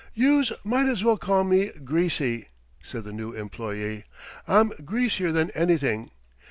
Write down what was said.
"Youse might as well call me Greasy," said the new employee. "I'm greasier than anything.